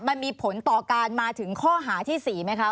มันมีผลต่อการมาถึงข้อหาที่๔ไหมคะ